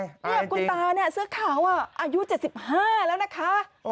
นี่คุณตาเนี่ยเสื้อขาวอายุ๗๕แล้วนะคะ